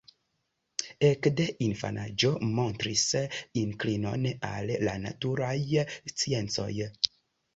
Ek de infanaĝo montris inklinon al la naturaj sciencoj.